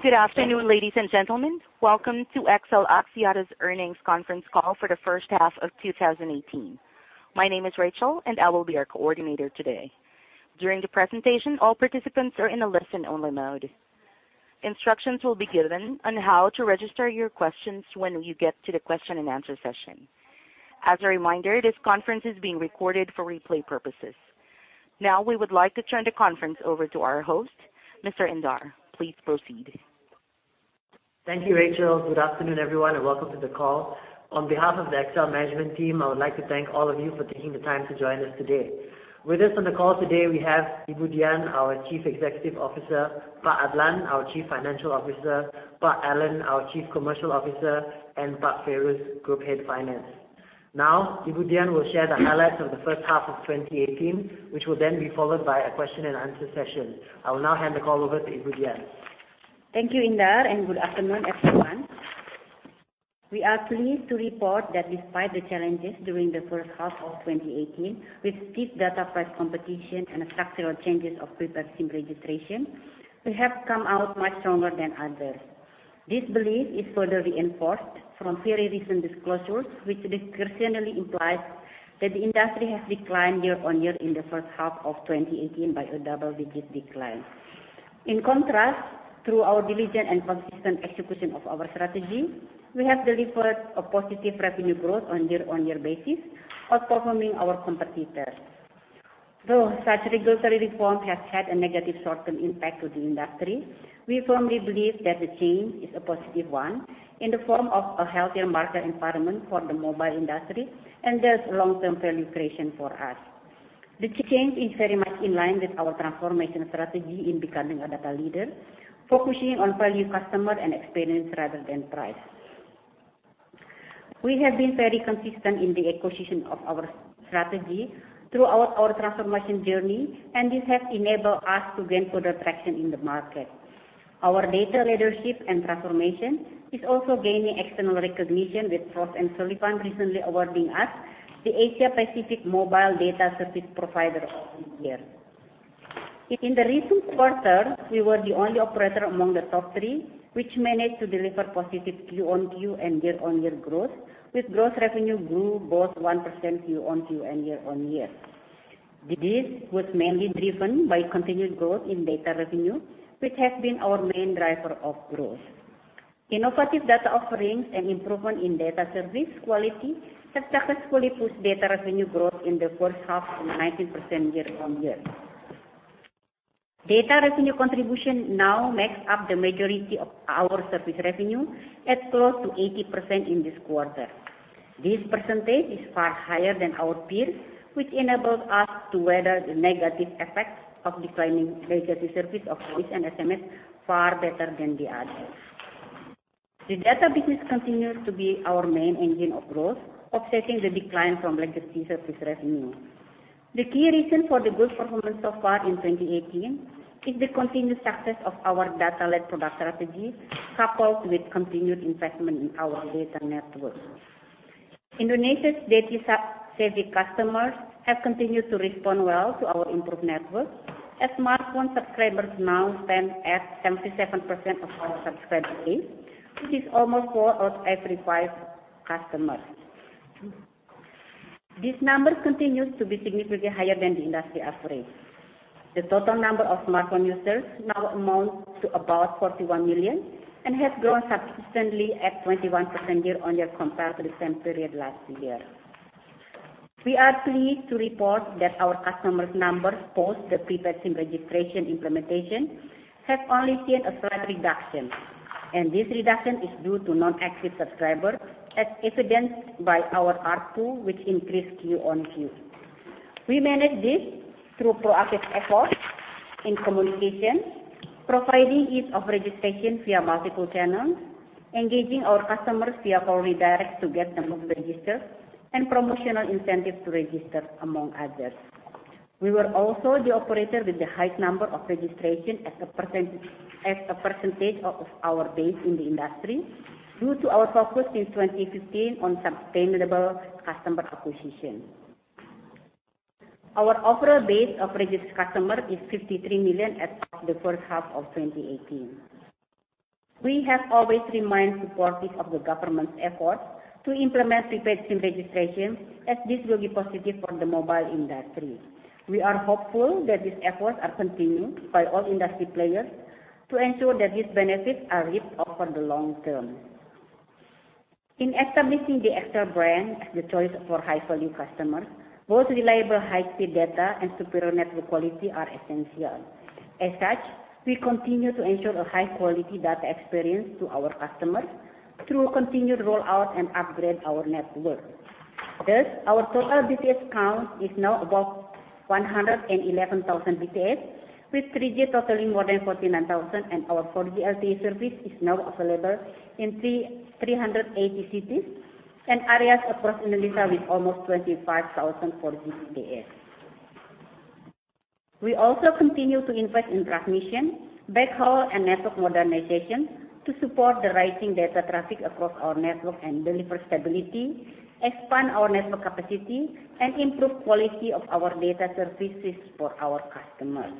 Good afternoon, ladies and gentlemen. Welcome to XL Axiata's earnings conference call for the first half of 2018. My name is Rachel, I will be your coordinator today. During the presentation, all participants are in a listen-only mode. Instructions will be given on how to register your questions when we get to the question and answer session. As a reminder, this conference is being recorded for replay purposes. We would like to turn the conference over to our host, Mr. Indar. Please proceed. Thank you, Rachel. Good afternoon, everyone, Welcome to the call. On behalf of the XL management team, I would like to thank all of you for taking the time to join us today. With us on the call today, we have Ibu Dian, our Chief Executive Officer, Pak Adlan, our Chief Financial Officer, Pak Allan, our Chief Commercial Officer, Pak Feiruz, Group Head Finance. Ibu Dian will share the highlights of the first half of 2018, which will be followed by a question and answer session. I will now hand the call over to Ibu Dian. Thank you, Indar, Good afternoon, everyone. We are pleased to report that despite the challenges during the first half of 2018 with steep data price competition and structural changes of prepaid SIM registration, we have come out much stronger than others. This belief is further reinforced from very recent disclosures, which discretionary implies that the industry has declined year-on-year in the first half of 2018 by a double-digit decline. In contrast, through our diligent and consistent execution of our strategy, we have delivered a positive revenue growth on year-on-year basis, outperforming our competitors. Such regulatory reforms have had a negative short-term impact to the industry, we firmly believe that the change is a positive one in the form of a healthier market environment for the mobile industry and there's long-term value creation for us. The change is very much in line with our transformation strategy in becoming a data leader, focusing on value customer and experience rather than price. We have been very consistent in the acquisition of our strategy throughout our transformation journey, This has enabled us to gain further traction in the market. Our data leadership and transformation is also gaining external recognition with Frost & Sullivan recently awarding us the Asia Pacific Mobile Data Service Provider of the Year. In the recent quarter, we were the only operator among the top three which managed to deliver positive Q-on-Q and year-on-year growth, with gross revenue grew both 1% Q-on-Q and year-on-year. This was mainly driven by continued growth in data revenue, which has been our main driver of growth. Innovative data offerings and improvement in data service quality have successfully pushed data revenue growth in the first half to 19% year-on-year. Data revenue contribution now makes up the majority of our service revenue at close to 80% in this quarter. This percentage is far higher than our peers, which enables us to weather the negative effects of declining legacy service of voice and SMS far better than the others. The data business continues to be our main engine of growth, offsetting the decline from legacy service revenue. The key reason for the good performance so far in 2018 is the continued success of our data-led product strategy, coupled with continued investment in our data network. Indonesia's data service customers have continued to respond well to our improved network, as smartphone subscribers now stand at 77% of our subscriber base, which is almost four out of every five customers. These numbers continues to be significantly higher than the industry average. The total number of smartphone users now amounts to about 41 million and has grown substantially at 21% year-on-year compared to the same period last year. We are pleased to report that our customers' numbers post the prepaid SIM registration implementation have only seen a slight reduction, and this reduction is due to non-active subscribers, as evidenced by our ARPU, which increased Q-on-Q. We manage this through proactive efforts in communication, providing ease of registration via multiple channels, engaging our customers via call redirects to get them registered, and promotional incentives to register, among others. We were also the operator with the highest number of registration as a percentage of our base in the industry due to our focus in 2015 on sustainable customer acquisition. Our overall base of registered customers is 53 million as of the first half of 2018. We have always remained supportive of the government's efforts to implement prepaid SIM registration as this will be positive for the mobile industry. We are hopeful that these efforts are continued by all industry players to ensure that these benefits are reaped over the long term. In establishing the XL brand as the choice for high-value customers, both reliable high-speed data and superior network quality are essential. As such, we continue to ensure a high-quality data experience to our customers through continued rollout and upgrade our network. Thus, our total BTS count is now above 111,000 BTS, with 3G totaling more than 49,000 and our 4G LTE service is now available in 380 cities and areas across Indonesia with almost 25,000 4G BTS. We also continue to invest in transmission, backhaul, and network modernization to support the rising data traffic across our network and deliver stability, expand our network capacity, and improve quality of our data services for our customers.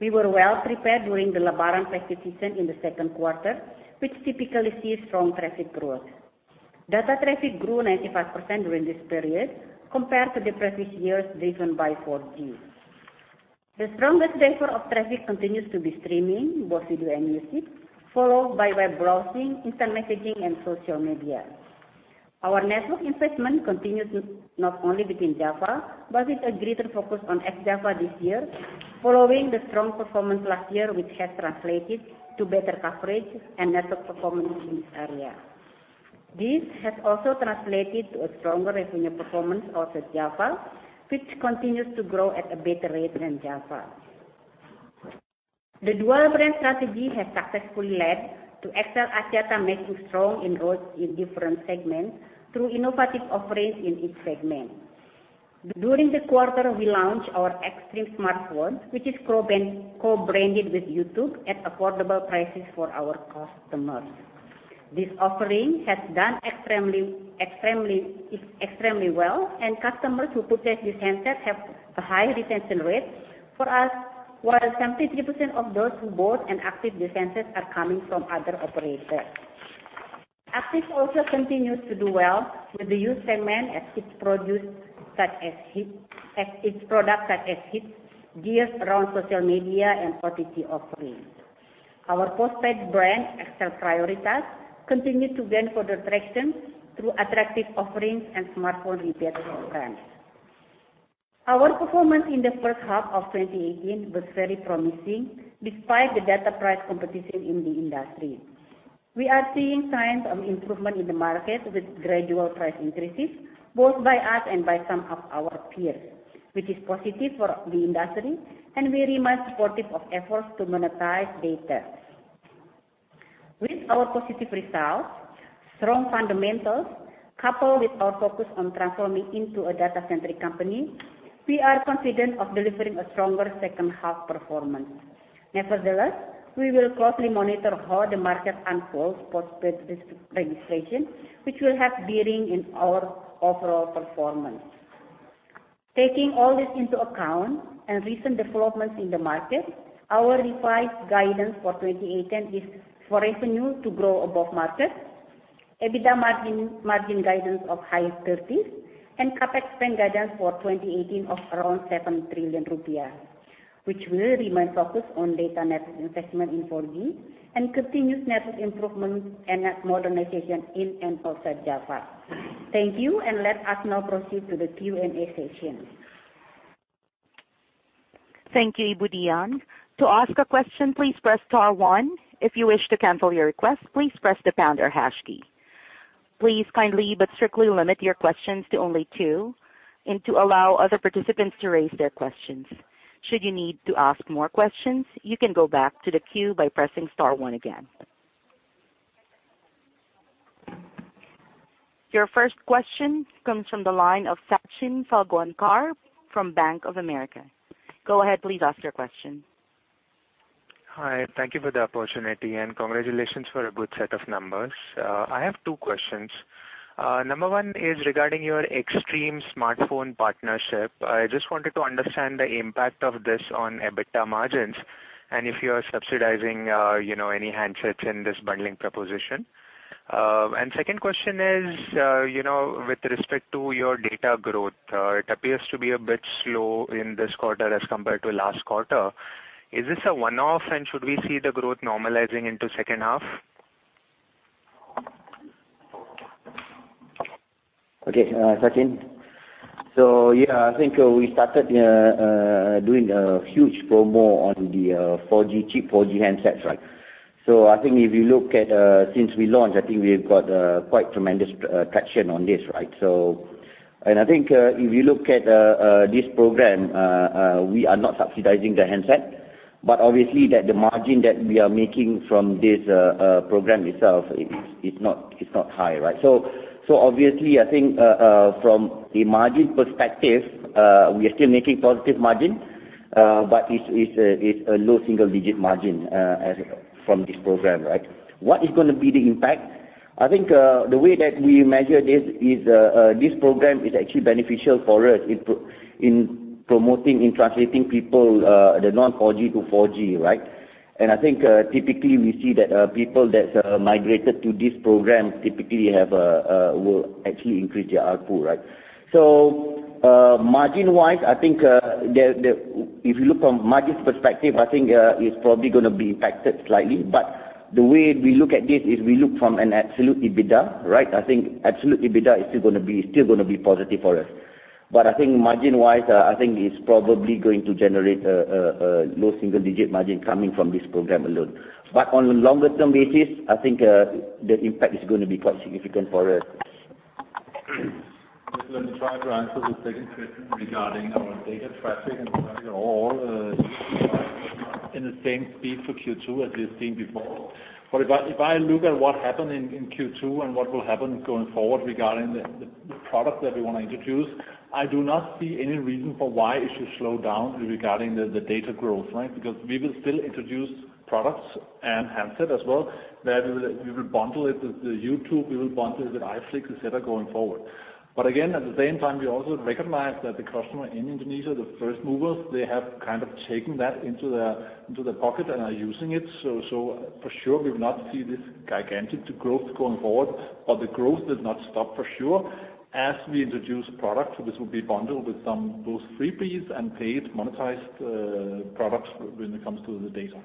We were well prepared during the Lebaran traffic season in the second quarter, which typically sees strong traffic growth. Data traffic grew 95% during this period compared to the previous years, driven by 4G. The strongest driver of traffic continues to be streaming, both video and music, followed by web browsing, instant messaging, and social media. Our network investment continues not only within Java, but with a greater focus on ex-Java this year following the strong performance last year, which has translated to better coverage and network performance in this area. This has also translated to a stronger revenue performance outside Java, which continues to grow at a better rate than Java. The dual brand strategy has successfully led to XL Axiata making strong inroads in different segments through innovative offerings in each segment. During the quarter, we launched our Xtream smartphone, which is co-branded with YouTube at affordable prices for our customers. This offering has done extremely well, and customers who purchase this handset have a high retention rate for us, while 73% of those who bought and activate the handset are coming from other operators. AXIS also continues to do well with the youth segment as its products such as Hitz geared around social media and OTT offerings. Our postpaid brand, XL Prioritas, continued to gain further traction through attractive offerings and smartphone repair programs. Our performance in the first half of 2018 was very promising despite the data price competition in the industry. We are seeing signs of improvement in the market with gradual price increases, both by us and by some of our peers, which is positive for the industry, and we remain supportive of efforts to monetize data. With our positive results, strong fundamentals, coupled with our focus on transforming into a data-centric company, we are confident of delivering a stronger second half performance. Nevertheless, we will closely monitor how the market unfolds postpaid registration, which will have a bearing in our overall performance. Taking all this into account and recent developments in the market, our revised guidance for 2018 is for revenue to grow above market, EBITDA margin guidance of high 30s, and CapEx spend guidance for 2018 of around 7 trillion rupiah, which will remain focused on data network investment in 4G and continuous network improvement and modernization in and outside Java. Thank you. Let us now proceed to the Q&A session. Thank you, Ibu Dian. To ask a question, please press star one. If you wish to cancel your request, please press the pound or hash key. Please kindly but strictly limit your questions to only two, and to allow other participants to raise their questions. Should you need to ask more questions, you can go back to the queue by pressing star one again. Your first question comes from the line of Sachin Salgaonkar from Bank of America. Go ahead, please ask your question. Hi. Thank you for the opportunity and congratulations for a good set of numbers. I have two questions. Number one is regarding your Xtream smartphone partnership. I just wanted to understand the impact of this on EBITDA margins and if you are subsidizing any handsets in this bundling proposition. Second question is with respect to your data growth. It appears to be a bit slow in this quarter as compared to last quarter. Is this a one-off? Should we see the growth normalizing into second half? Okay, Sachin. Yeah, I think we started doing a huge promo on the cheap 4G handsets. If you look at since we launched, we've got quite tremendous traction on this. If you look at this program, we are not subsidizing the handset, but obviously the margin that we are making from this program itself is not high. Obviously, from a margin perspective, we are still making positive margin, but it's a low single-digit margin from this program. What is going to be the impact? The way that we measure this is this program is actually beneficial for us in promoting and translating people, the non-4G to 4G. Typically, we see that people that migrated to this program typically will actually increase their ARPU. Margin-wise, if you look from margin perspective, it's probably going to be impacted slightly, but the way we look at this is we look from an absolute EBITDA. Absolute EBITDA is still going to be positive for us. Margin-wise, it's probably going to generate a low single-digit margin coming from this program alone. On a longer term basis, the impact is going to be quite significant for us. Just let me try to answer the second question regarding our data traffic and the value of all users In the same speed for Q2 as we've seen before. If I look at what happened in Q2 and what will happen going forward regarding the product that we want to introduce, I do not see any reason for why it should slow down regarding the data growth. We will still introduce products and handset as well, where we will bundle it with YouTube, we will bundle it with iflix, et cetera, going forward. Again, at the same time, we also recognize that the customer in Indonesia, the first movers, they have kind of taken that into their pocket and are using it. For sure, we will not see this gigantic growth going forward, but the growth does not stop for sure. As we introduce product, this will be bundled with some both freebies and paid monetized products when it comes to the data.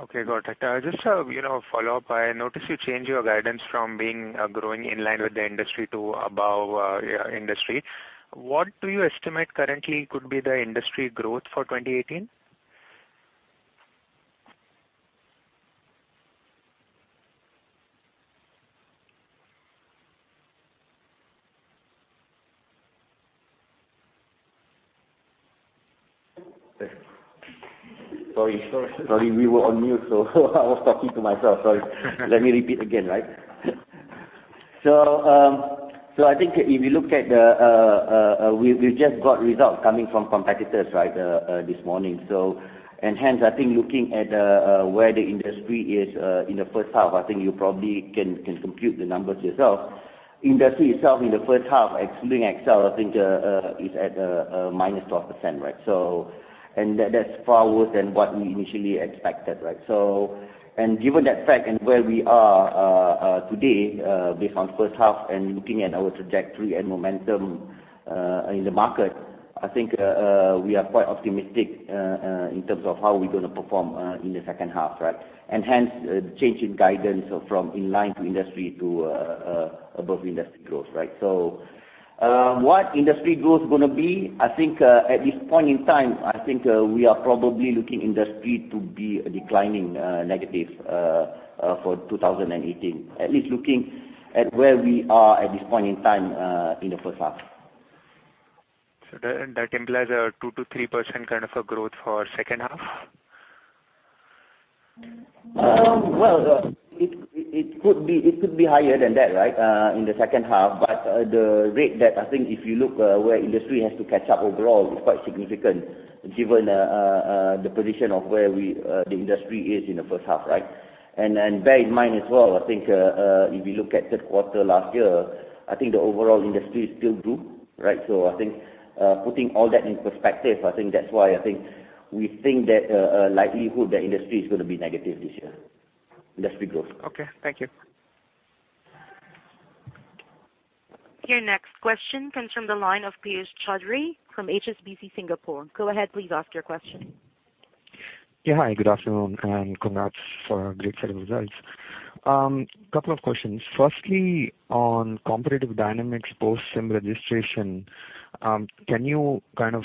Okay, got it. Just a follow-up. I notice you changed your guidance from being growing in line with the industry to above industry. What do you estimate currently could be the industry growth for 2018? Sorry. Sorry. Sorry, we were on mute, I was talking to myself. Sorry. Let me repeat again. I think if you look at the We've just got results coming from competitors this morning. Hence, I think looking at where the industry is in the first half, I think you probably can compute the numbers yourself. Industry itself in the first half, excluding XL, I think is at -12%. That's far worse than what we initially expected. Given that fact and where we are today based on first half and looking at our trajectory and momentum in the market, I think we are quite optimistic in terms of how we're going to perform in the second half. Hence change in guidance from inline to industry to above industry growth. What industry growth is going to be? I think at this point in time, I think we are probably looking industry to be declining negative for 2018, at least looking at where we are at this point in time in the first half. That implies a 2%-3% kind of a growth for second half? Well, it could be higher than that in the second half, but the rate that I think if you look where industry has to catch up overall is quite significant given the position of where the industry is in the first half. Bear in mind as well, I think if you look at the quarter last year, I think the overall industry is still grew. I think putting all that in perspective, I think that's why I think we think that a likelihood the industry is going to be negative this year. Industry growth. Okay, thank you. Your next question comes from the line of Piyush Choudhary from HSBC Singapore. Go ahead, please ask your question. Hi, good afternoon, and congrats for a great set of results. Couple of questions. Firstly, on competitive dynamics post-SIM registration, can you kind of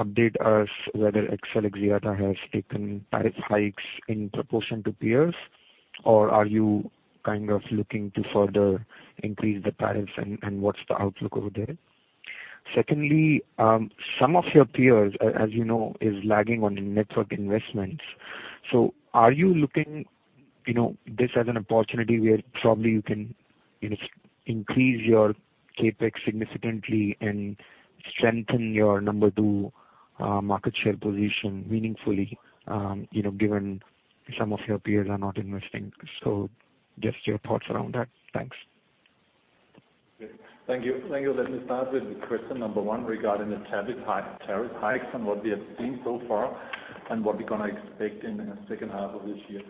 update us whether XL Axiata has taken tariff hikes in proportion to peers, or are you kind of looking to further increase the tariffs, what's the outlook over there? Secondly, some of your peers, as you know, is lagging on network investments. Are you looking this as an opportunity where probably you can increase your CapEx significantly and strengthen your number two market share position meaningfully, given some of your peers are not investing? Just your thoughts around that. Thanks. Thank you. Let me start with question number one regarding the tariff hikes and what we have seen so far and what we're going to expect in the second half of this year.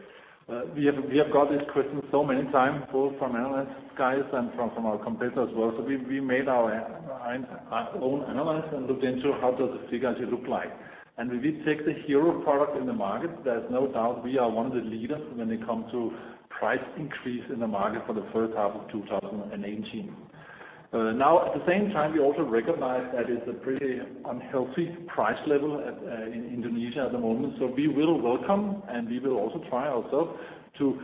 We have got this question so many times, both from analyst guys and from our competitors as well. We made our own analysis and looked into how does the figures look like. When we take the hero product in the market, there's no doubt we are one of the leaders when it comes to price increase in the market for the first half of 2018. Now, at the same time, we also recognize that it's a pretty unhealthy price level in Indonesia at the moment. We will welcome, and we will also try ourself to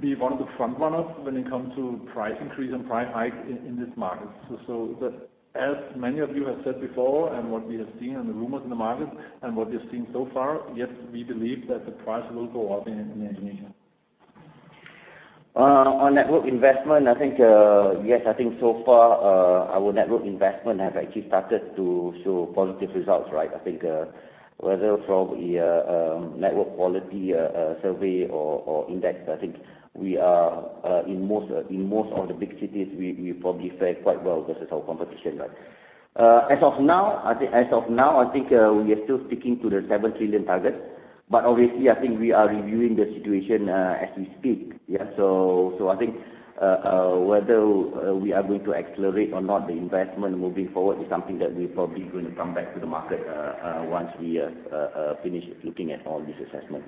be one of the front runners when it comes to price increase and price hike in this market. As many of you have said before and what we have seen and the rumors in the market and what we've seen so far, yes, we believe that the price will go up in Indonesia. On network investment, I think, yes, I think so far, our network investment have actually started to show positive results. I think whether from the network quality survey or index, I think we are in most of the big cities, we probably fare quite well versus our competition. As of now, I think we are still sticking to the 7 trillion target, obviously, I think we are reviewing the situation as we speak. I think whether we are going to accelerate or not the investment moving forward is something that we're probably going to come back to the market once we finish looking at all this assessment.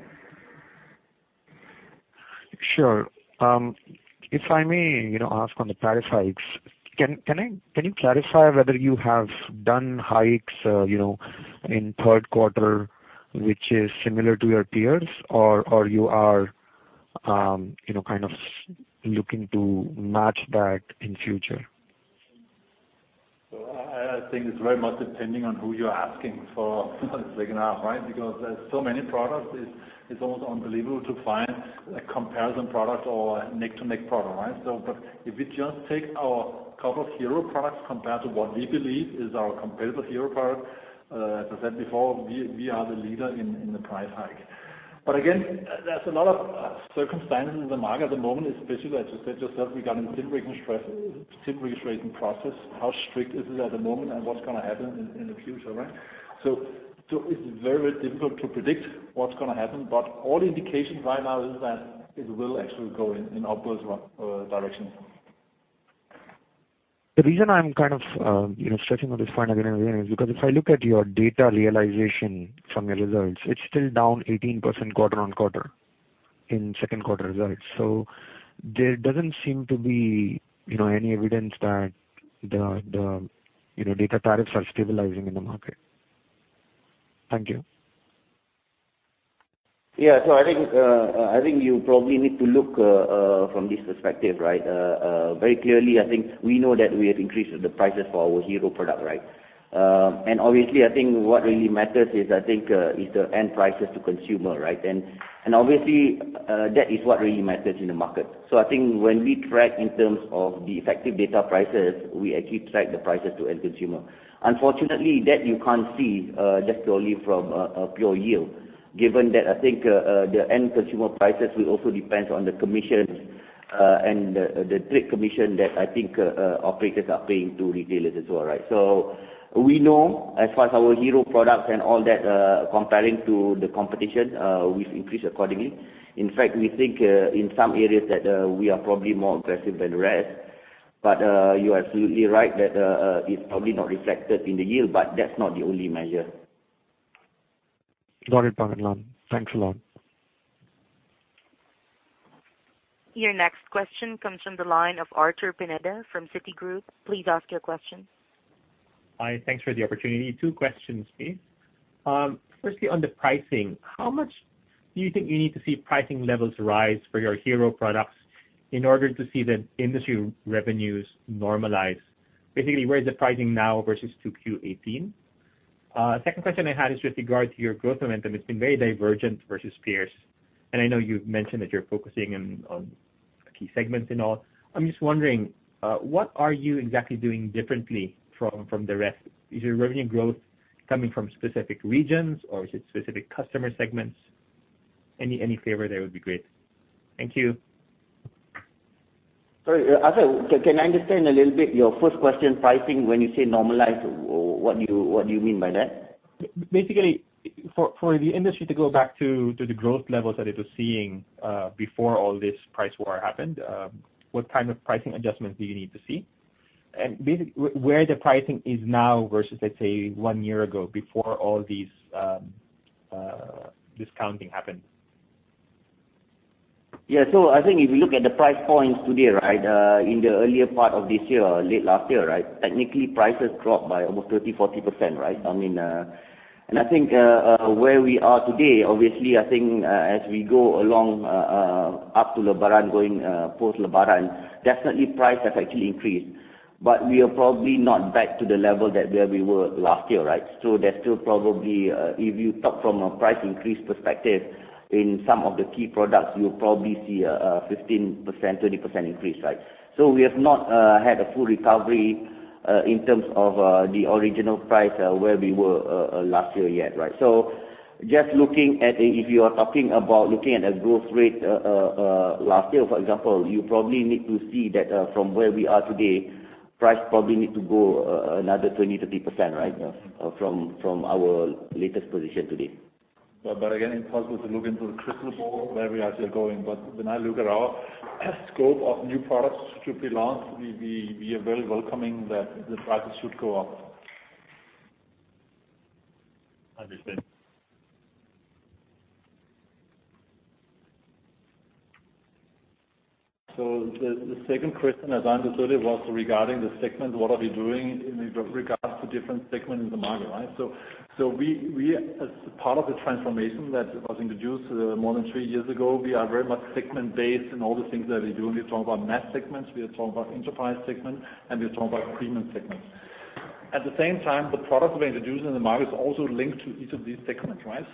Sure. If I may ask on the tariff hikes, can you clarify whether you have done hikes in third quarter which is similar to your peers or you are kind of looking to match that in future? I think it's very much depending on who you're asking for the second half, right? There's so many products, it's almost unbelievable to find a comparison product or a neck-to-neck product, right? If we just take our couple of hero products compared to what we believe is our competitive hero product, as I said before, we are the leader in the price hike. Again, there's a lot of circumstances in the market at the moment, especially as you said yourself, regarding SIM registration process, how strict is it at the moment and what's going to happen in the future, right? It's very difficult to predict what's going to happen, but all indications right now is that it will actually go in upwards direction. The reason I'm kind of stressing on this point again and again is because if I look at your data realization from your results, it's still down 18% quarter-on-quarter in second quarter results. There doesn't seem to be any evidence that the data tariffs are stabilizing in the market. Thank you. Yeah. I think you probably need to look from this perspective, right? Very clearly, I think we know that we have increased the prices for our hero product, right? Obviously, I think what really matters is, I think, is the end prices to consumer, right? Obviously, that is what really matters in the market. I think when we track in terms of the effective data prices, we actually track the prices to end consumer. Unfortunately, that you can't see just solely from a pure yield given that I think the end consumer prices will also depend on the commission and the trade commission that I think operators are paying to retailers as well, right? We know as far as our hero products and all that comparing to the competition, we've increased accordingly. In fact, we think in some areas that we are probably more aggressive than the rest. You are absolutely right that it's probably not reflected in the yield, but that's not the only measure. Got it, Mohamed Adlan. Thanks a lot. Your next question comes from the line of Arthur Pineda from Citigroup. Please ask your question. Hi. Thanks for the opportunity. Two questions, please. Firstly, on the pricing, how much do you think you need to see pricing levels rise for your hero products in order to see the industry revenues normalize? Basically, where is the pricing now versus to Q1 '18? Second question I had is with regard to your growth momentum. It's been very divergent versus peers, and I know you've mentioned that you're focusing on key segments and all. I'm just wondering, what are you exactly doing differently from the rest? Is your revenue growth coming from specific regions or is it specific customer segments? Any favor there would be great. Thank you. Sorry, Arthur, can I understand a little bit your first question, pricing, when you say normalized, what do you mean by that? For the industry to go back to the growth levels that it was seeing before all this price war happened, what kind of pricing adjustments do you need to see? Basically, where the pricing is now versus, let's say, one year ago before all this discounting happened. Yeah. I think if you look at the price points today, right? In the earlier part of this year or late last year, right? Technically, prices dropped by almost 30%-40%, right? I think where we are today, obviously, I think as we go along up to Lebaran, going post-Lebaran, definitely price has actually increased, but we are probably not back to the level that where we were last year, right? There's still probably, if you talk from a price increase perspective in some of the key products, you'll probably see a 15%-20% increase, right? We have not had a full recovery in terms of the original price where we were last year yet, right? Just looking at if you are talking about looking at a growth rate last year, for example, you probably need to see that from where we are today, price probably need to go another 20%-30%, right? From our latest position today. Again, impossible to look into a crystal ball where we are still going. When I look at our scope of new products to be launched, we are very welcoming that the prices should go up. Understood. The second question, as I understood it, was regarding the segment. What are we doing in regards to different segment in the market, right? As part of the transformation that was introduced more than three years ago, we are very much segment based in all the things that we do. We are talking about mass segments, we are talking about enterprise segment, and we are talking about premium segments. At the same time, the products we introduce in the market is also linked to each of these segments, right?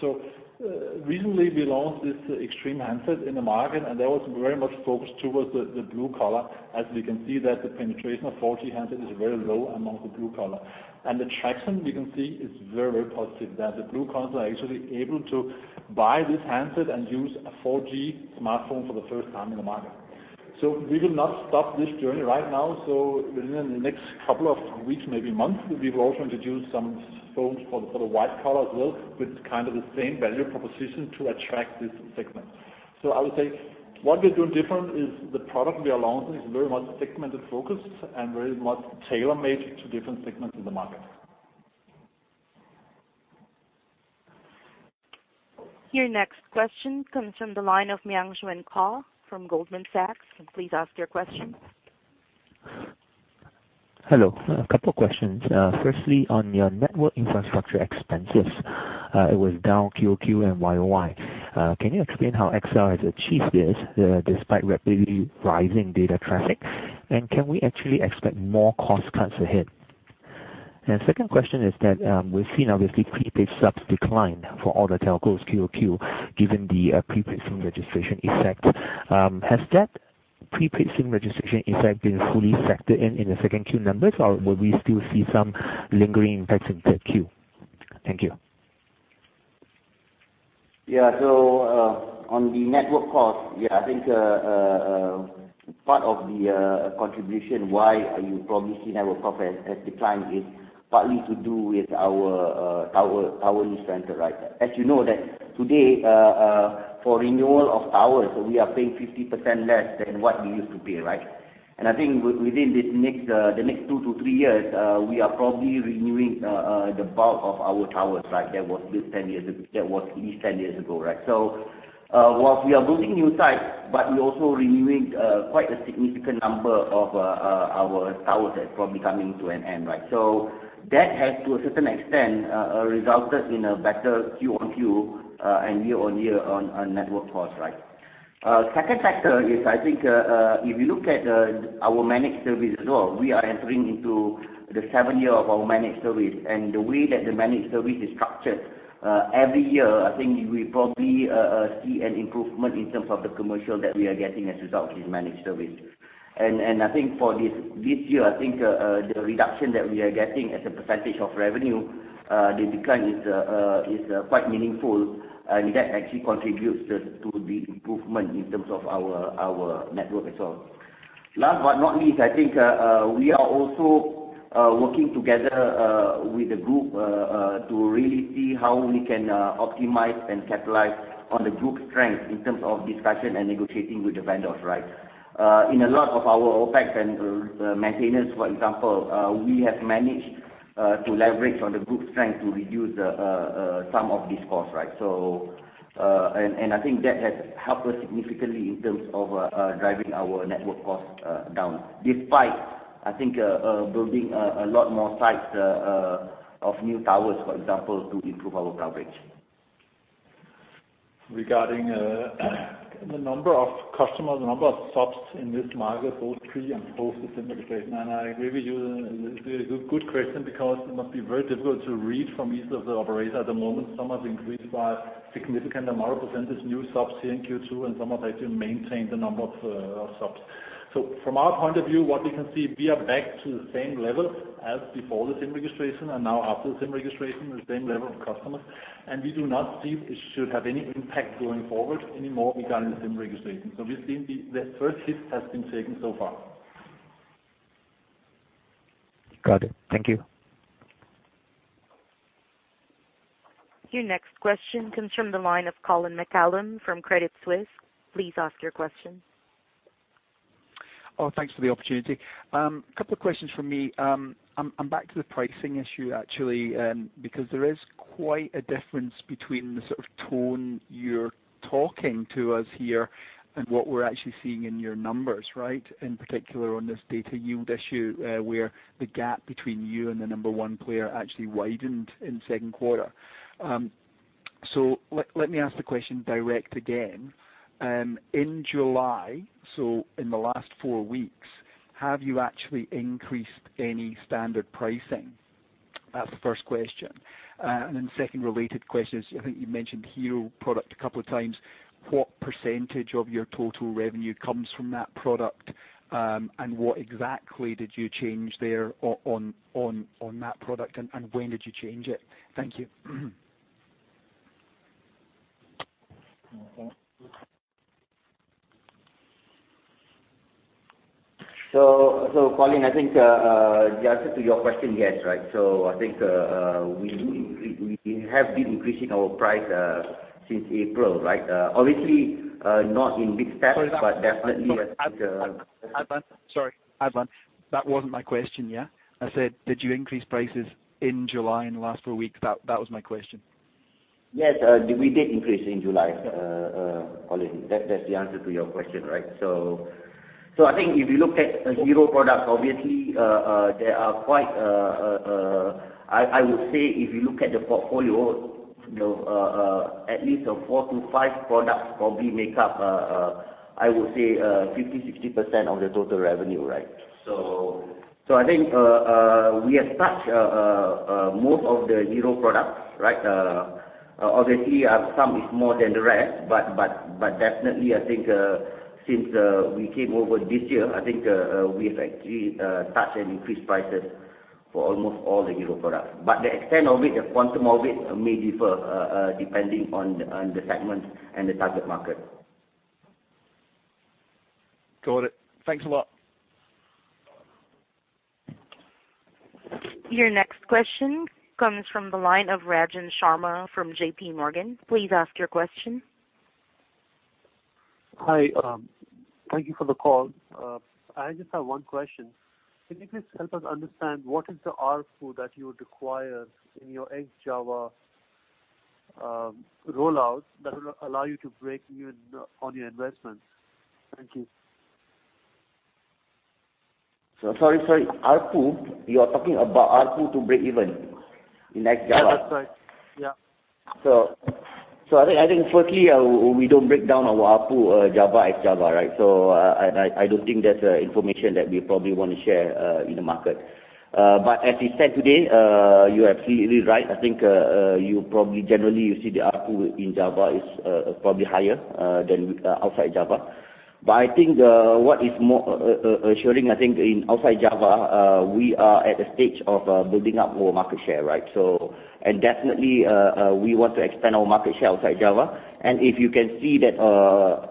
Recently we launched this Xtream handset in the market, and that was very much focused towards the blue collar. As we can see that the penetration of 4G handset is very low among the blue collar. The traction we can see is very positive, that the blue collar are actually able to buy this handset and use a 4G smartphone for the first time in the market. We will not stop this journey right now. Within the next couple of weeks, maybe months, we will also introduce some phones for the white collar as well, with kind of the same value proposition to attract this segment. I would say what we're doing different is the product we are launching is very much segmented focused and very much tailor-made to different segments in the market. Your next question comes from the line of Myung-Sub Kim from Goldman Sachs. Please ask your question. Hello. A couple questions. Firstly, on your network infrastructure expenses, it was down QOQ and YOY. Can you explain how XL has achieved this despite rapidly rising data traffic? Can we actually expect more cost cuts ahead? Second question is that we've seen, obviously, prepaid subs decline for all the telcos QOQ, given the prepaid SIM registration effect. Has that prepaid SIM registration effect been fully factored in the second Q numbers, or will we still see some lingering impacts in Q3? Thank you. Yeah. On the network cost, I think part of the contribution, why you probably see network cost has declined is partly to do with our tower lease rental. As you know that today, for renewal of towers, we are paying 50% less than what we used to pay. I think within the next 2 to 3 years, we are probably renewing the bulk of our towers that was leased 10 years ago. Whilst we are building new sites, but we're also renewing quite a significant number of our towers that's probably coming to an end. That has, to a certain extent, resulted in a better QOQ and year-on-year on network cost. Second factor is, I think if you look at our managed service as well, we are entering into the seventh year of our managed service. The way that the managed service is structured, every year, I think we probably see an improvement in terms of the commercial that we are getting as a result of this managed service. I think for this year, I think the reduction that we are getting as a percentage of revenue, the decline is quite meaningful, and that actually contributes to the improvement in terms of our network as well. Last but not least, I think we are also working together with the group to really see how we can optimize and capitalize on the group's strength in terms of discussion and negotiating with the vendors. In a lot of our OPEX and maintenance, for example, we have managed to leverage on the group's strength to reduce some of these costs. I think that has helped us significantly in terms of driving our network cost down, despite I think building a lot more sites of new towers, for example, to improve our coverage. Regarding the number of customers, the number of subs in this market, both pre- and post-the SIM registration, I agree with you. It's a very good question because it must be very difficult to read from each of the operators at the moment. Some have increased by significant amount, represented new subs here in Q2, and some have actually maintained the number of subs. From our point of view, what we can see, we are back to the same level as before the SIM registration and now after the SIM registration, the same level of customers. We do not see it should have any impact going forward anymore regarding the SIM registration. We're seeing the first hit has been taken so far. Got it. Thank you. Your next question comes from the line of Colin McCallum from Credit Suisse. Please ask your question. Thanks for the opportunity. Couple of questions from me. I'm back to the pricing issue actually, because there is quite a difference between the sort of tone you're talking to us here and what we're actually seeing in your numbers. In particular on this data yield issue, where the gap between you and the number one player actually widened in second quarter. Let me ask the question direct again. In July, so in the last four weeks, have you actually increased any standard pricing? That's the first question. Second related question is, I think you mentioned hero product a couple of times. What % of your total revenue comes from that product? What exactly did you change there on that product, and when did you change it? Thank you. Colin, I think the answer to your question, yes. I think we have been increasing our price since April. Obviously, not in big steps. Sorry, Adlan. That wasn't my question. I said, did you increase prices in July, in the last four weeks? That was my question. Yes. We did increase in July, Colin. That's the answer to your question. I think if you look at the hero product, obviously, there are quite I would say if you look at the portfolio, at least four to five products probably make up, I would say, 50%-60% of the total revenue. I think we have touched most of the hero products. Obviously, some is more than the rest, but definitely, I think since we came over this year, I think we have actually touched and increased prices for almost all the hero products. The extent of it, the quantum of it may differ depending on the segment and the target market. Got it. Thanks a lot. Your next question comes from the line of Ranjan Sharma from JP Morgan. Please ask your question. Hi. Thank you for the call. I just have one question. Can you please help us understand what is the ARPU that you would require in your ex-Java rollout that will allow you to break even on your investments? Thank you. Sorry. ARPU, you are talking about ARPU to break even in ex-Java? Yeah, that's right. Firstly, we don't break down our ARPU Java, ex-Java. I don't think that's information that we probably want to share in the market. As we said today, you're absolutely right. Probably generally you see the ARPU in Java is probably higher than outside Java. What is more assuring, in outside Java, we are at the stage of building up our market share. Definitely we want to expand our market share outside Java. If you can see that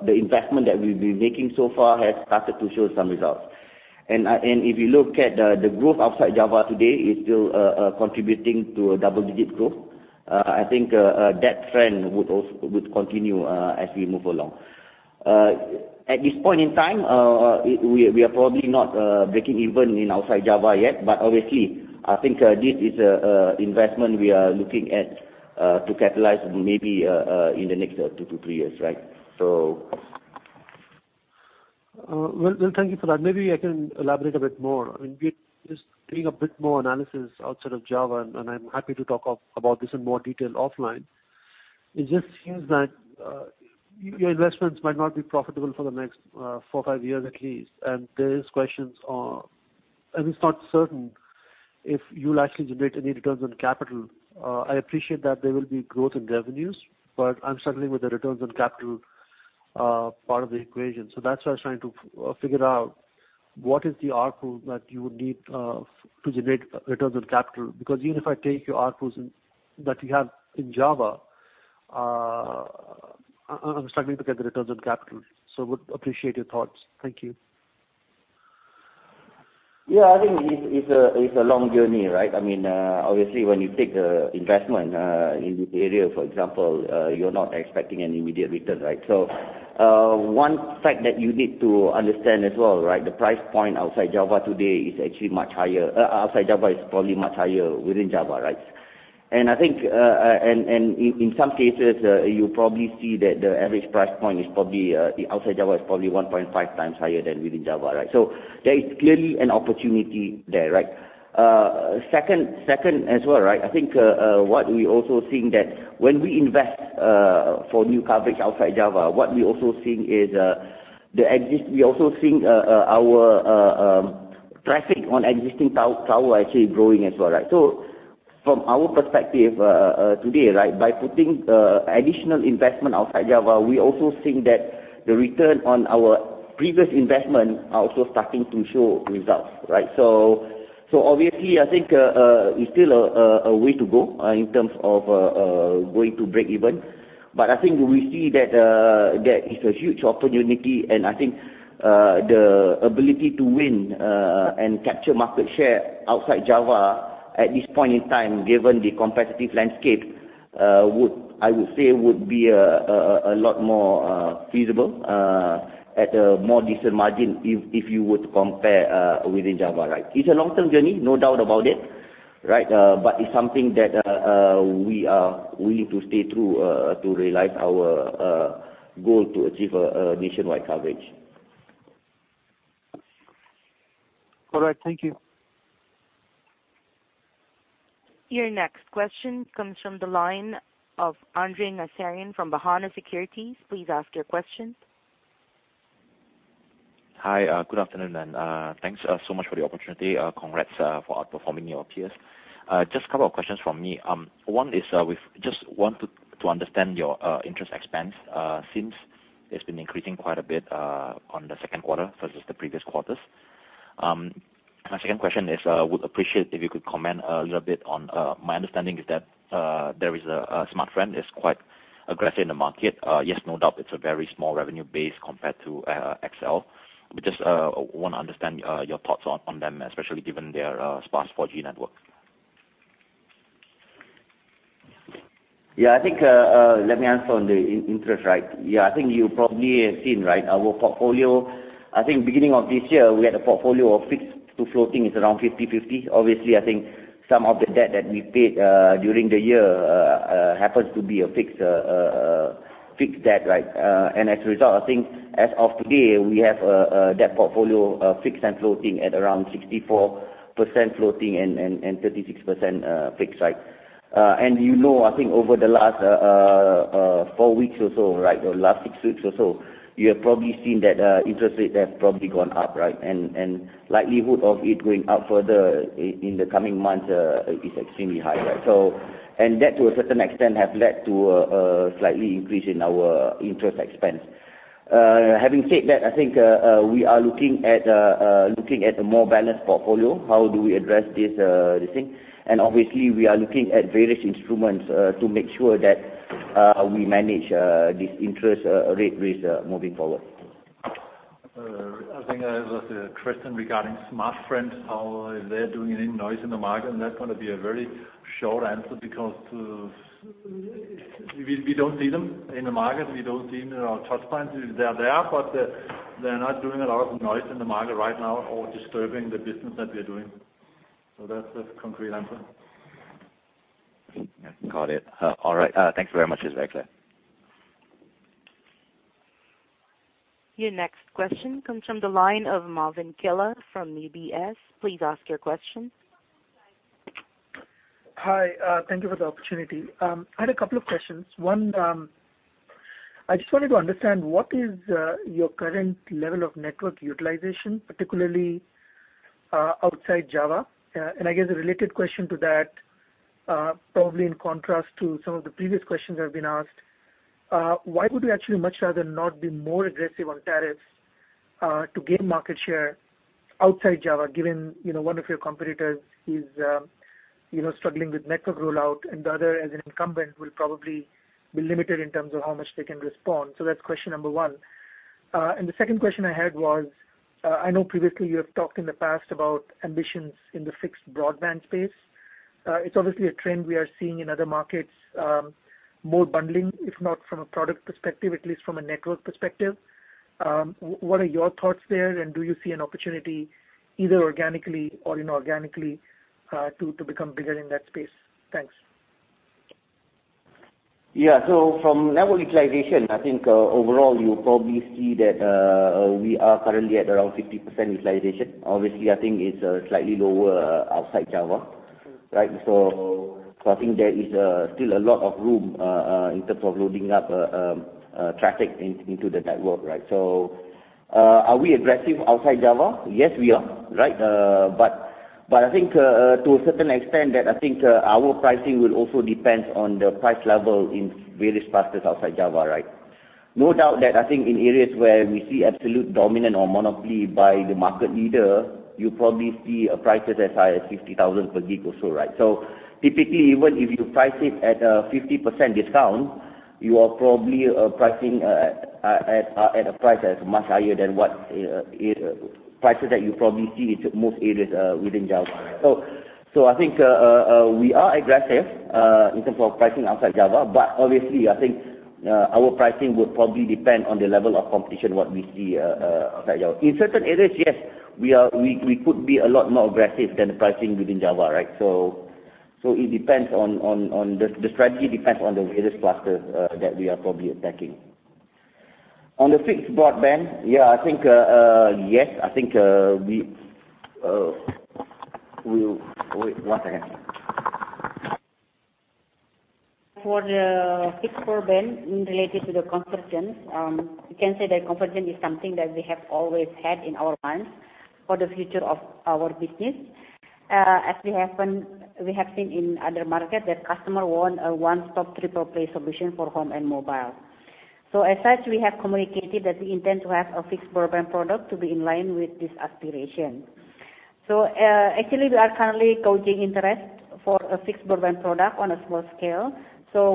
the investment that we've been making so far has started to show some results. If you look at the growth outside Java today, it's still contributing to a double-digit growth. That trend would continue as we move along. At this point in time, we are probably not breaking even in outside Java yet, but obviously this is investment we are looking at to capitalize maybe in the next two to three years. Thank you for that. Maybe I can elaborate a bit more. We're just doing a bit more analysis outside of Java, and I'm happy to talk about this in more detail offline. It just seems that your investments might not be profitable for the next four or five years at least. There is questions on, and it's not certain if you'll actually generate any returns on capital. I appreciate that there will be growth in revenues, but I'm struggling with the returns on capital part of the equation. That's why I was trying to figure out what is the ARPU that you would need to generate returns on capital. Even if I take your ARPU that you have in Java, I'm struggling to get the returns on capital. Would appreciate your thoughts. Thank you. It's a long journey. Obviously, when you take the investment in this area, for example, you're not expecting an immediate return. One fact that you need to understand as well, the price point outside Java is probably much higher within Java. In some cases, you probably see that the average price point outside Java is probably 1.5 times higher than within Java. There is clearly an opportunity there. Second as well, what we also think that when we invest for new coverage outside Java, we also think our traffic on existing tower actually growing as well. From our perspective today, by putting additional investment outside Java, we also think that the return on our previous investment are also starting to show results. I think it's still a way to go in terms of way to break even. I think we see that there is a huge opportunity and I think the ability to win and capture market share outside Java at this point in time, given the competitive landscape, I would say would be a lot more feasible at a more decent margin if you were to compare within Java. It's a long term journey, no doubt about it. It's something that we are willing to stay true to realize our goal to achieve a nationwide coverage. All right. Thank you. Your next question comes from the line of Andrean A. Saputro from Bahana Sekuritas. Please ask your question. Hi, good afternoon, thanks so much for the opportunity. Congrats for outperforming your peers. Just a couple of questions from me. One is we just want to understand your interest expense, since it's been increasing quite a bit on the second quarter versus the previous quarters. My second question is, would appreciate if you could comment a little bit on, my understanding is that there is a Smartfren is quite aggressive in the market. Yes, no doubt it's a very small revenue base compared to XL. We just want to understand your thoughts on them, especially given their sparse 4G network. Yeah. Let me answer on the interest. I think you probably have seen our portfolio. I think beginning of this year, we had a portfolio of fixed to floating is around 50/50. Obviously, I think some of the debt that we paid during the year happens to be a fixed debt. As a result, I think as of today, we have a debt portfolio fixed and floating at around 64% floating and 36% fixed. You know, I think over the last four weeks or so, the last six weeks or so, you have probably seen that interest rates have probably gone up. Likelihood of it going up further in the coming months is extremely high. That to a certain extent, have led to a slightly increase in our interest expense. Having said that, I think we are looking at a more balanced portfolio. How do we address this thing? Obviously we are looking at various instruments to make sure that we manage this interest rate risk moving forward. I think there was a question regarding Smartfren, how they're doing any noise in the market, that's going to be a very short answer because we don't see them in the market. We don't see them in our touch points. They are there, but they're not doing a lot of noise in the market right now or disturbing the business that we're doing. That's a concrete answer. Got it. All right. Thanks very much. It's very clear. Your next question comes from the line of Marvin Kairupan from UBS. Please ask your question. Hi. Thank you for the opportunity. I had a couple of questions. One, I just wanted to understand what is your current level of network utilization, particularly outside Java? I guess a related question to that, probably in contrast to some of the previous questions that have been asked, why would we actually much rather not be more aggressive on tariffs to gain market share outside Java, given one of your competitors is struggling with network rollout and the other, as an incumbent, will probably be limited in terms of how much they can respond? That's question number one. The second question I had was, I know previously you have talked in the past about ambitions in the fixed broadband space. It's obviously a trend we are seeing in other markets, more bundling, if not from a product perspective, at least from a network perspective. What are your thoughts there, and do you see an opportunity, either organically or inorganically, to become bigger in that space? Thanks. Yeah. From network utilization, I think overall, you probably see that we are currently at around 50% utilization. Obviously, I think it's slightly lower outside Java. Right? I think there is still a lot of room in terms of loading up traffic into the network. Are we aggressive outside Java? Yes, we are. I think to a certain extent that I think our pricing will also depend on the price level in various clusters outside Java, right? No doubt that I think in areas where we see absolute dominant or monopoly by the market leader, you probably see prices as high as 50,000 per gig or so, right? Typically, even if you price it at a 50% discount, you are probably pricing at a price that is much higher than what prices that you probably see into most areas within Java. I think we are aggressive in terms of pricing outside Java, obviously, I think our pricing will probably depend on the level of competition, what we see outside Java. In certain areas, yes, we could be a lot more aggressive than the pricing within Java, right? The strategy depends on the various clusters that we are probably attacking. On the fixed broadband, I think, yes. Wait one second. For the fixed broadband, related to the consumption, we can say that consumption is something that we have always had in our minds for the future of our business. As we have seen in other markets that customers want a one-stop triple-play solution for home and mobile. As such, we have communicated that we intend to have a fixed broadband product to be in line with this aspiration. Actually, we are currently gauging interest for a fixed broadband product on a small scale.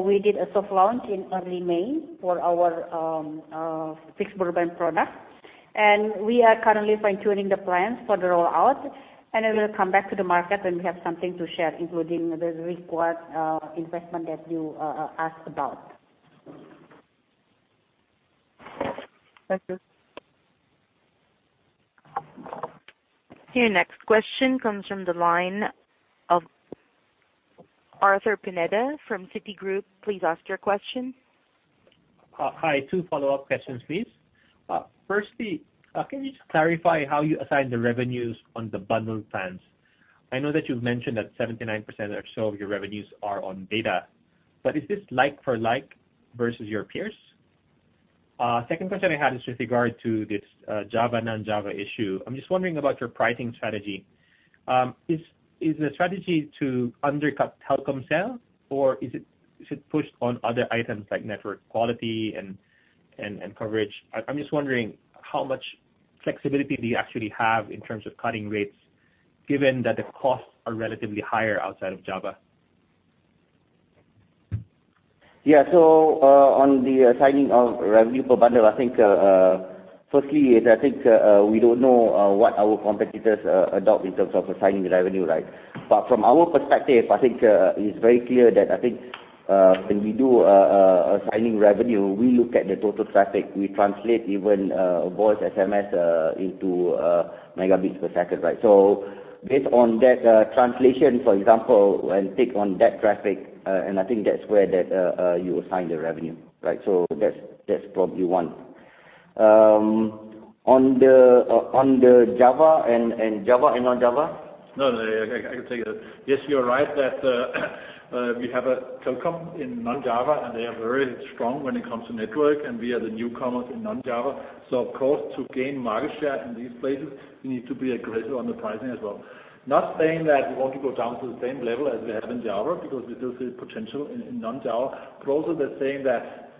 We did a soft launch in early May for our fixed broadband product, we are currently fine-tuning the plans for the rollout, then we'll come back to the market when we have something to share, including the required investment that you asked about. Thank you. Your next question comes from the line of Arthur Pineda from Citigroup. Please ask your question. Hi. Two follow-up questions, please. Firstly, can you just clarify how you assign the revenues on the bundled plans? I know that you've mentioned that 79% or so of your revenues are on data. Is this like for like versus your peers? Second question I had is with regard to this Java, non-Java issue. I'm just wondering about your pricing strategy. Is the strategy to undercut Telkomsel, or is it to push on other items like network quality and coverage? I'm just wondering how much flexibility do you actually have in terms of cutting rates, given that the costs are relatively higher outside of Java. Yeah. On the assigning of revenue per bundle, I think, firstly is I think we don't know what our competitors adopt in terms of assigning the revenue, right? From our perspective, I think it's very clear that I think when we do assigning revenue, we look at the total traffic. We translate even voice SMS into megabits per second. Based on that translation, for example, and take on that traffic, and I think that's where you assign the revenue. That's probably one. On the Java and non-Java? No, I can take that. Yes, you're right that we have Telkomsel in non-Java, and they are very strong when it comes to network, and we are the newcomers in non-Java. Of course, to gain market share in these places, we need to be aggressive on the pricing as well. Not saying that we want to go down to the same level as we have in Java, because we still see potential in non-Java. Also they're saying that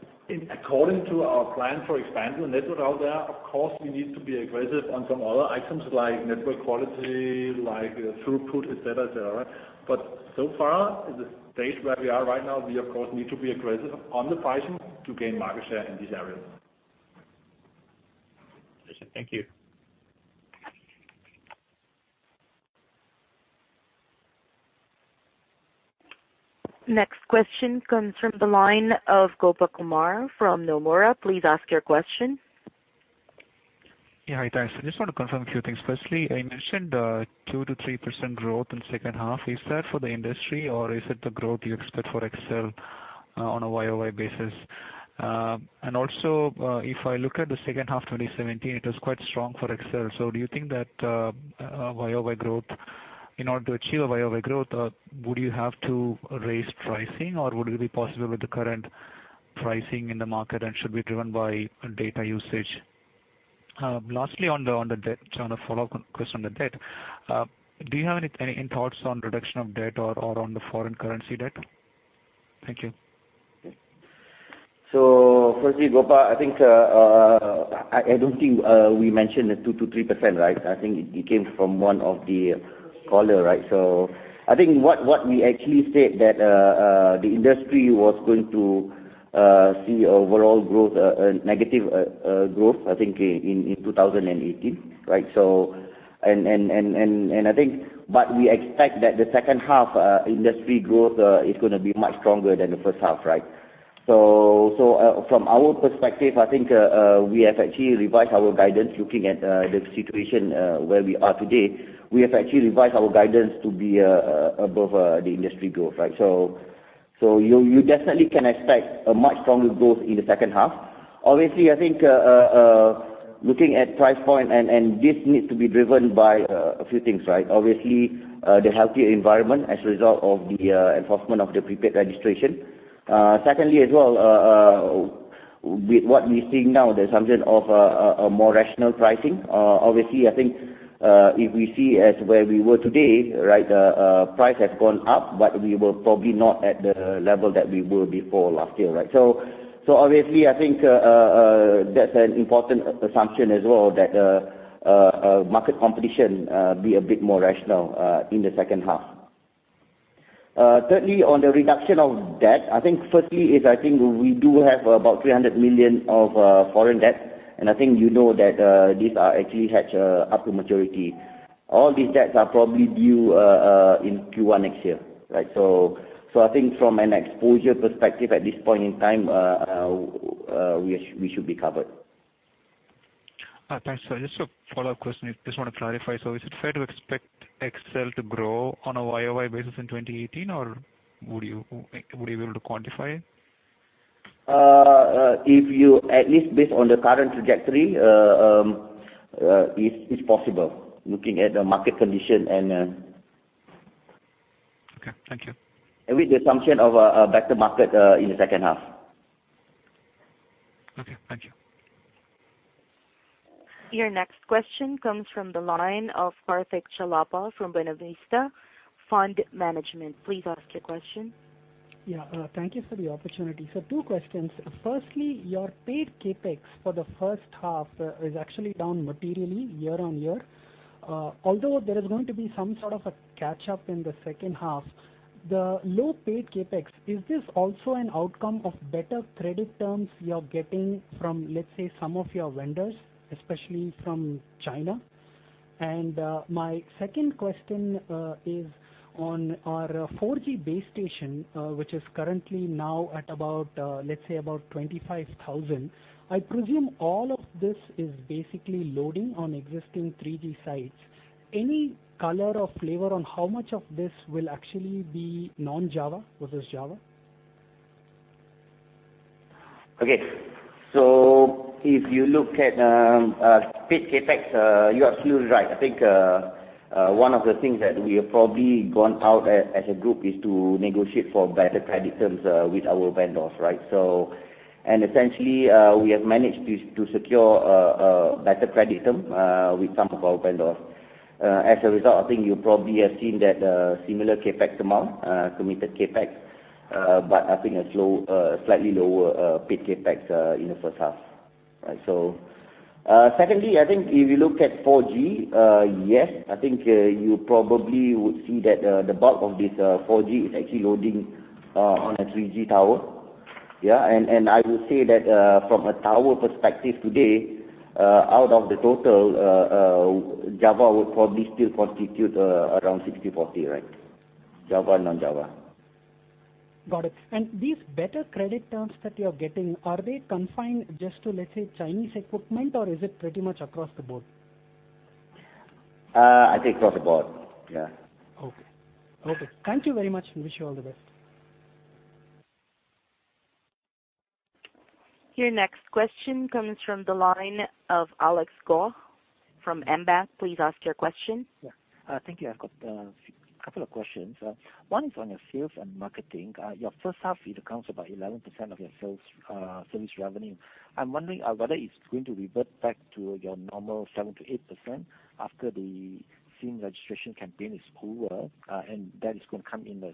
according to our plan for expanding the network out there, of course, we need to be aggressive on some other items like network quality, like throughput, et cetera. So far, at the stage where we are right now, we of course, need to be aggressive on the pricing to gain market share in these areas. Thank you. Next question comes from the line of Gopa Kumar from Nomura. Please ask your question. Yeah. Hi, thanks. I just want to confirm a few things. Firstly, I mentioned 2%-3% growth in second half. Is that for the industry or is it the growth you expect for XL on a YOY basis? Also, if I look at the second half 2017, it was quite strong for XL. Do you think that in order to achieve a YOY growth, would you have to raise pricing or would it be possible with the current pricing in the market and should be driven by data usage? Lastly, on the follow-up question on the debt, do you have any thoughts on reduction of debt or on the foreign currency debt? Thank you. Firstly, Gopa, I don't think we mentioned the 2%-3%, right? I think it came from one of the caller, right? I think what we actually said that the industry was going to see overall negative growth, I think, in 2018, right? We expect that the second half industry growth is going to be much stronger than the first half, right? From our perspective, I think, we have actually revised our guidance looking at the situation where we are today. We have actually revised our guidance to be above the industry growth, right? You definitely can expect a much stronger growth in the second half. Obviously, I think, looking at price point, and this needs to be driven by a few things, right? Obviously, the healthier environment as a result of the enforcement of the prepaid registration. Secondly, as well, with what we seeing now, the assumption of a more rational pricing. Obviously, I think, if we see as where we were today, right? Price has gone up, but we were probably not at the level that we were before last year, right? Obviously, I think, that's an important assumption as well, that market competition be a bit more rational, in the second half. Thirdly, on the reduction of debt, I think firstly is, I think we do have about $300 million of foreign debt, and I think you know that these are actually hedged up to maturity. All these debts are probably due in Q1 next year, right? I think from an exposure perspective at this point in time, we should be covered. Thanks. Just a follow-up question. Just want to clarify. Is it fair to expect XL to grow on a YOY basis in 2018, or would you be able to quantify it? If you, at least based on the current trajectory, it's possible looking at the market condition and. Okay. Thank you. With the assumption of a better market in the second half. Okay. Thank you. Your next question comes from the line of Karthik Chellappa from Buena Vista Fund Management. Please ask your question. Thank you for the opportunity. Two questions. Firstly, your paid CapEx for the first half is actually down materially year-on-year. Although there is going to be some sort of a catch-up in the second half, the low paid CapEx, is this also an outcome of better credit terms you are getting from, let's say, some of your vendors, especially from China? My second question is on our 4G base station, which is currently now at about, let's say, about 25,000. I presume all of this is basically loading on existing 3G sites. Any color or flavor on how much of this will actually be non-Java versus Java? Okay. If you look at paid CapEx, you are absolutely right. I think, one of the things that we have probably gone out as a group is to negotiate for better credit terms with our vendors, right? Essentially, we have managed to secure better credit term with some of our vendors. As a result, I think you probably have seen that similar CapEx amount, committed CapEx, but I think a slightly lower paid CapEx, in the first half, right? Secondly, I think if you look at 4G, yes, I think you probably would see that the bulk of this 4G is actually loading on a 3G tower. I would say that, from a tower perspective today, out of the total, Java would probably still constitute around 60-40, right? Java, non-Java. Got it. These better credit terms that you're getting, are they confined just to, let's say, Chinese equipment, or is it pretty much across the board? I think across the board. Yeah. Okay. Thank you very much. Wish you all the best. Your next question comes from the line of Alex Goh from AmBank. Please ask your question. Yeah. Thank you. I've got a couple of questions. One is on your sales and marketing. Your first half, it accounts for about 11% of your service revenue. I'm wondering whether it's going to revert back to your normal 7%-8% after the SIM registration campaign is over, and that is going to come in the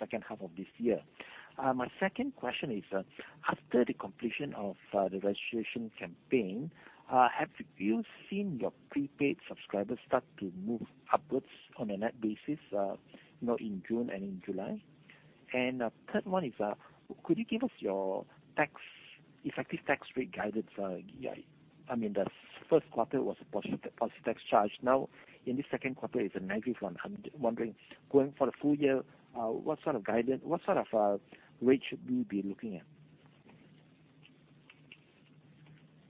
second half of this year. My second question is, after the completion of the registration campaign, have you seen your prepaid subscribers start to move upwards on a net basis, in June and in July? Third one is, could you give us your effective tax rate guidance? I mean, the first quarter was a positive tax charge. Now in the second quarter, it's a negative one. I'm wondering, going for the full year, what sort of rate should we be looking at?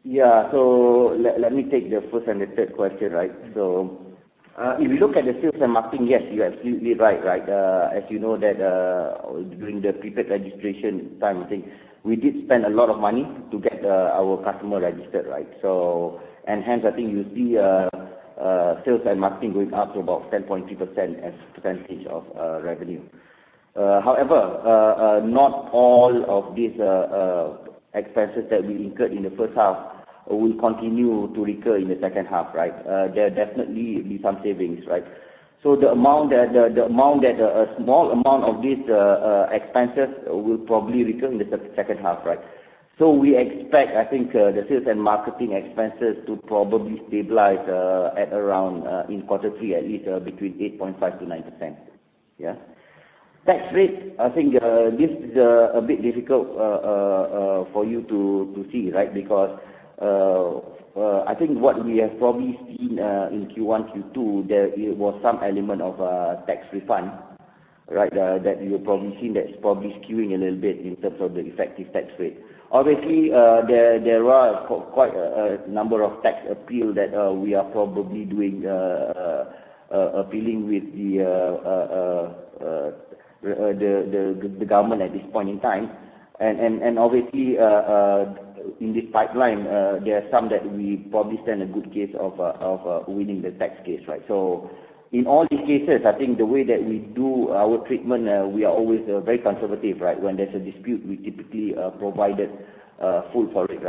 Yeah. Let me take the first and the third question. If you look at the sales and marketing, yes, you're absolutely right. As you know, during the prepaid registration time, I think we did spend a lot of money to get our customer registered. Hence, I think you see sales and marketing going up to about 10.3% as a percentage of revenue. However, not all of these expenses that we incurred in the first half will continue to recur in the second half. There'll definitely be some savings. A small amount of these expenses will probably recur in the second half. We expect, I think, the sales and marketing expenses to probably stabilize at around, in quarter three at least, between 8.5%-9%. Yeah. Tax rate, I think this is a bit difficult for you to see, because I think what we have probably seen in Q1, Q2, there was some element of tax refund that you have probably seen that's probably skewing a little bit in terms of the effective tax rate. Obviously, there are quite a number of tax appeals that we are probably doing, appealing with the government at this point in time. Obviously, in this pipeline, there are some that we probably stand a good case of winning the tax case. In all these cases, I think the way that we do our treatment, we are always very conservative. When there's a dispute, we typically provided full for it.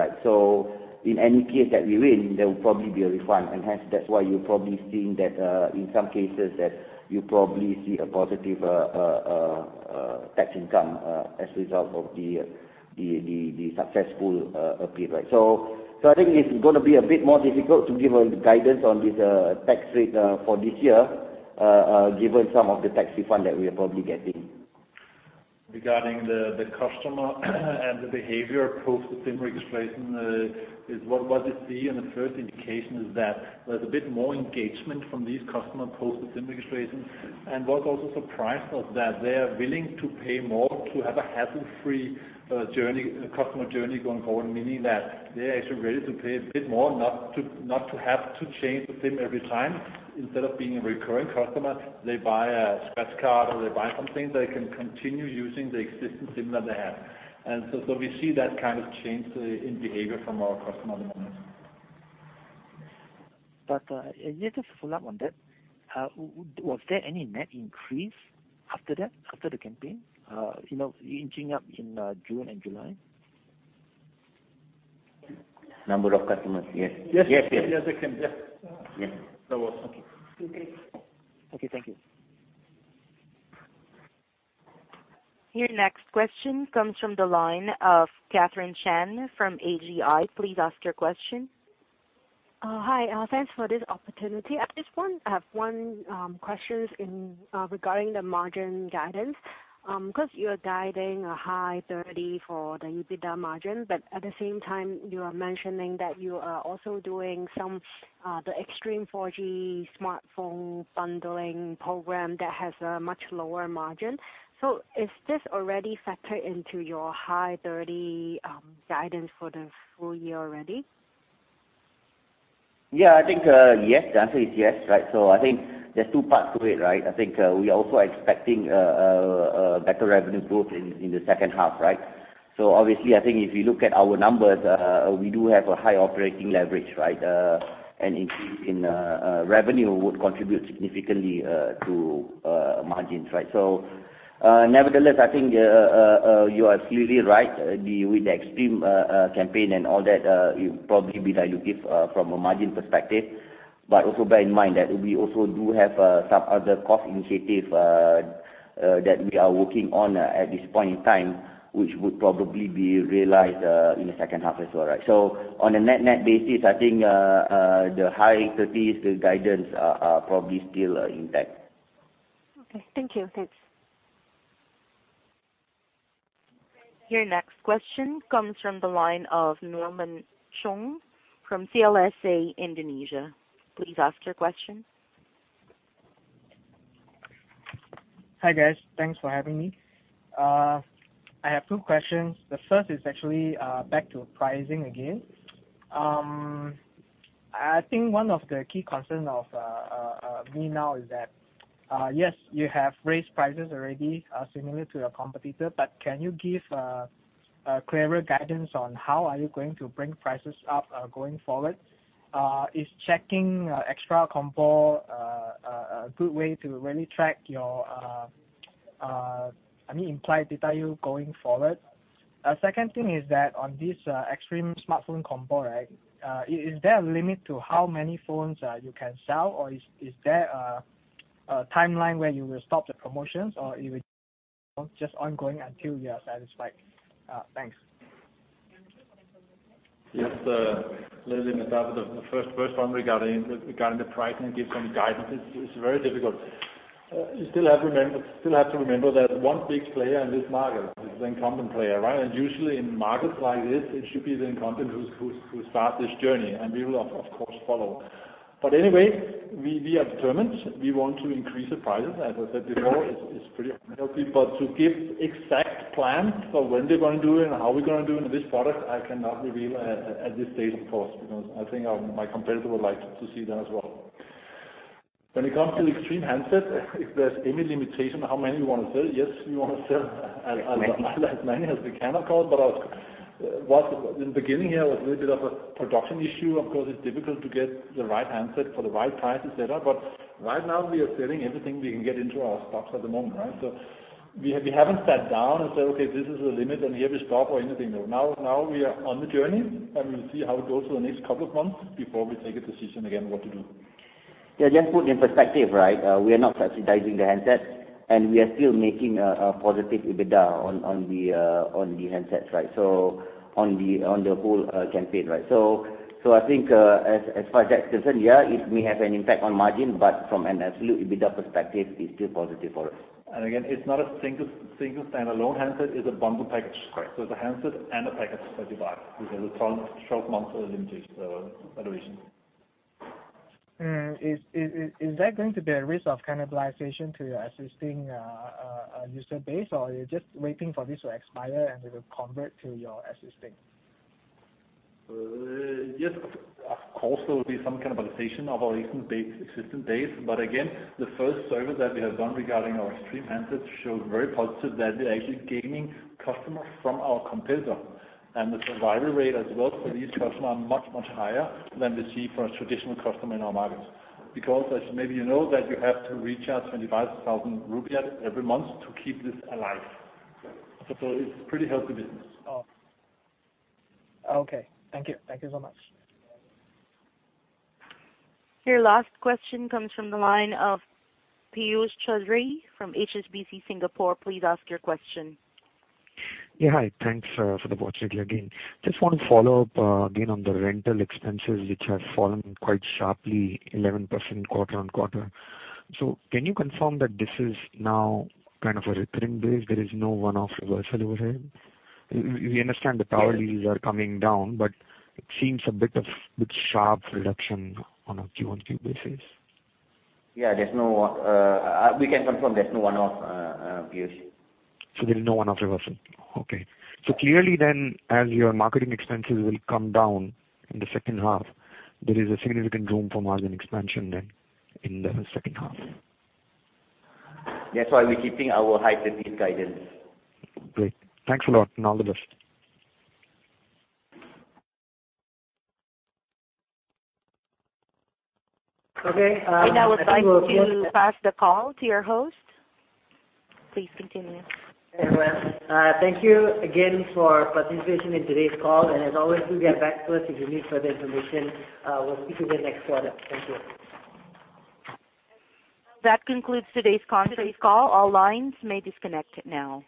In any case that we win, there will probably be a refund, and hence, that's why you're probably seeing that in some cases you probably see a positive tax income as a result of the successful appeal. I think it's going to be a bit more difficult to give a guidance on this tax rate for this year, given some of the tax refund that we are probably getting. Regarding the customer and the behavior post the SIM registration, what we see in the first indication is that there's a bit more engagement from these customers post the SIM registration. What also surprised us that they are willing to pay more to have a hassle-free customer journey going forward, meaning that they are actually ready to pay a bit more not to have to change the SIM every time. Instead of being a recurring customer, they buy a scratch card or they buy something, they can continue using the existing SIM that they have. We see that kind of change in behavior from our customers at the moment. Just to follow up on that, was there any net increase after that, after the campaign? Inching up in June and July. Number of customers? Yes. Yes. Yeah. There was. Okay. Thank you. Your next question comes from the line of Kathryn Tatoulis from AGI. Please ask your question. Hi. Thanks for this opportunity. I have one question regarding the margin guidance. You are guiding a high 30 for the EBITDA margin, but at the same time you are mentioning that you are also doing some of the Xtream 4G smartphone bundling program that has a much lower margin. Is this already factored into your high 30 guidance for the full year already? Yeah, I think the answer is yes. I think there's two parts to it. I think we are also expecting better revenue growth in the second half. Obviously, I think if you look at our numbers, we do have a high operating leverage, and increase in revenue would contribute significantly to margins. Nevertheless, I think you are absolutely right. With the Xtream campaign and all that, it would probably be dilutive from a margin perspective. Also bear in mind that we also do have some other cost initiatives that we are working on at this point in time, which would probably be realized in the second half as well. On a net basis, I think the high 30% as the guidance are probably still intact. Okay. Thank you. Thanks. Your next question comes from the line of Norman Choong from CLSA Indonesia. Please ask your question. Hi, guys. Thanks for having me. I have two questions. The first is actually back to pricing again. I think one of the key concerns of me now is that, yes, you have raised prices already similar to your competitor, can you give a clearer guidance on how are you going to bring prices up going forward? Is checking Xtra Combo a good way to really track your implied data use going forward? Second thing is that on this Xtream smartphone combo, is there a limit to how many phones you can sell, or is there a timeline where you will stop the promotions, or it will just ongoing until you are satisfied? Thanks. Yes. Let me start with the first one regarding the pricing and give some guidance. It's very difficult. You still have to remember that one big player in this market is the incumbent player. Usually in markets like this, it should be the incumbent who start this journey, and we will of course follow. Anyway, we are determined. We want to increase the prices. As I said before, it's pretty healthy. To give exact plans for when we're going to do it and how we're going to do it on this product, I cannot reveal at this stage, of course, because I think my competitor would like to see that as well. When it comes to the Xtream handset, if there's any limitation how many we want to sell, yes, we want to sell as many as we can, of course. In the beginning here, was a little bit of a production issue. Of course, it's difficult to get the right handset for the right price, et cetera. Right now, we are selling everything we can get into our stocks at the moment, right? We haven't sat down and said, "Okay, this is the limit, and here we stop," or anything. No. Now we are on the journey, and we'll see how it goes for the next couple of months before we take a decision again what to do. Just put in perspective, right? We are not subsidizing the handsets, and we are still making a positive EBITDA on the handsets, right? On the whole campaign, right? I think, as far as that's concerned, yeah, it may have an impact on margin, but from an absolute EBITDA perspective, it's still positive for us. Again, it's not a single standalone handset. It's a bundled package. Correct. It's a handset and a package device with a 12-month all-in pack allocation. Is that going to be a risk of cannibalization to your existing user base, or are you just waiting for this to expire and it will convert to your existing? Yes, of course, there will be some cannibalization of our existing base. Again, the first survey that we have done regarding our Xtream handsets shows very positive that we're actually gaining customers from our competitor. The survival rate as well for these customers are much, much higher than we see for a traditional customer in our market. Because as maybe you know, that you have to recharge IDR 25,000 every month to keep this alive. Correct. It's pretty healthy business. Oh. Okay. Thank you. Thank you so much. Your last question comes from the line of Piyush Choudhary from HSBC Singapore. Please ask your question. Yeah, hi. Thanks for the opportunity again. Just want to follow up again on the rental expenses, which have fallen quite sharply, 11% quarter-on-quarter. Can you confirm that this is now kind of a recurring base, there is no one-off reversal over here? We understand the tower deals are coming down, but it seems a bit sharp reduction on a Q-on-Q basis. Yeah, we can confirm there is no one-off, Piyush. There's no one-off reversal. Okay. Yeah. Clearly then, as your marketing expenses will come down in the second half, there is a significant room for margin expansion then in the second half. That's why we're keeping our high EBITDA guidance. Great. Thanks a lot, and all the best. Okay. I now would like to pass the call to your host. Please continue. Very well. Thank you again for participation in today's call. As always, do get back to us if you need further information. We'll speak to you next quarter. Thank you. That concludes today's conference call. All lines may disconnect now.